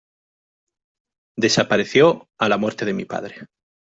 desapareció a la muerte de mi padre.